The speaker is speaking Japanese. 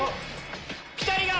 ピタリが！